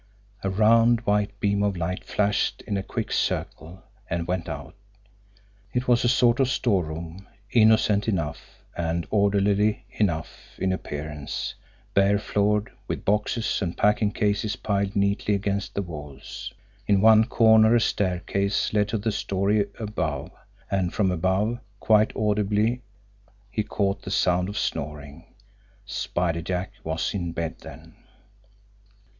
A round, white beam of light flashed in a quick circle and went out. It was a sort of storeroom, innocent enough and orderly enough in appearance, bare floored, with boxes and packing cases piled neatly against the walls. In one corner a staircase led to the story above and from above, quite audibly now, he caught the sound of snoring. Spider Jack was in bed, then!